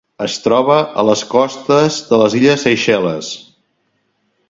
Es troba a les costes de les illes Seychelles.